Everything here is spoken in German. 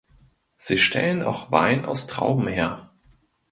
Sie stellen auch Wein aus Trauben her.